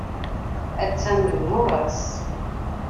Attan deg yimuras.